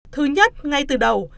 thứ nhất ngay từ đầu